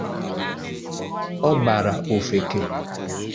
ọ bàárá ofeke.